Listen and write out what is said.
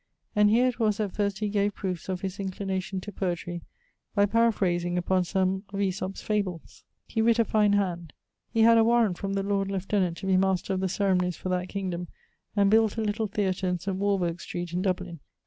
And here it was that first he gave proofs of his inclination to poetry, by paraphrasing upon some of Æsop's fables. (He writt a fine hand.) He had a warrant from the Lord Livetenant to be Master of the Ceremonies for that kingdome; and built a little theatre in St. Warburgh street, in Dublin.